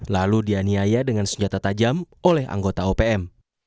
lalu dianiaya dengan senjata tajam oleh anggota opm